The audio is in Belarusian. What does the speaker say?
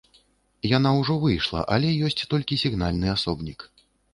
Яна ўжо выйшла, але ёсць толькі сігнальны асобнік.